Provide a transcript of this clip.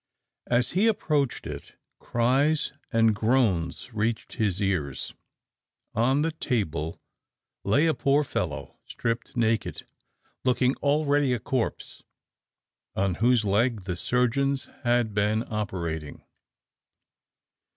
As he approached it, cries and groans reached his ears. On the table lay a poor fellow stripped naked, looking already a corpse, on whose leg the surgeons had been operating.